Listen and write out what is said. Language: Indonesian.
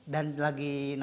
dan lagi nampaknya